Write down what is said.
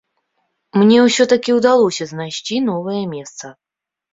Мне ўсё-такі ўдалося знайсці новае месца.